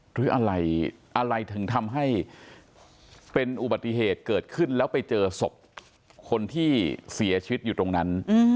หรืออะไรอะไรถึงทำให้เป็นอุบัติเหตุเกิดขึ้นแล้วไปเจอศพคนที่เสียชีวิตอยู่ตรงนั้น